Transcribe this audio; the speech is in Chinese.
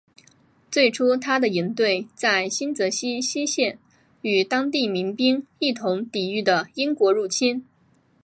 最初他的营队在新泽西西线与当地民兵一同抵御的英国入侵。